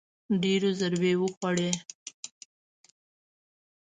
ډېرو ضربې وخوړې